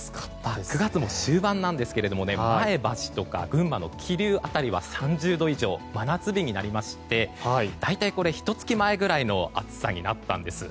９月も終盤ですが前橋とか群馬の桐生あたりは３０度以上真夏日になりまして大体ひと月前ぐらいの暑さになったんです。